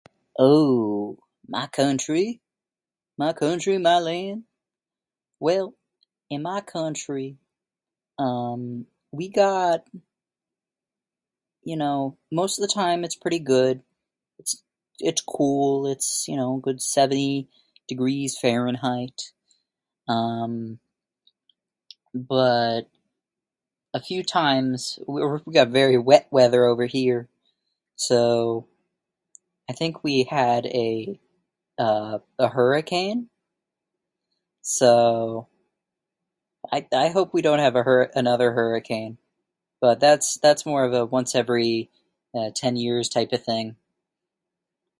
Oh... my country? My country, my land? Well, in my country, um... We got... you know, most of the time it's pretty good. It's cool, it's, you know it's good 70 degrees Fahrenheit. Um, but a few times... we got very wet weather over here. So I think we had a, uh, a hurricane, so, I I hope we don't have another hurricane. But that's, that's more of a once-every-ten-years type of thing.